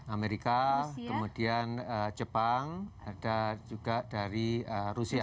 amerika kemudian jepang ada juga dari rusia